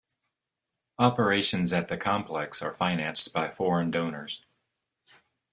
Operations at the complex are financed by foreign donors.